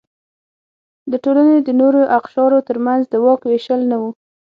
د ټولنې د نورو اقشارو ترمنځ د واک وېشل نه و.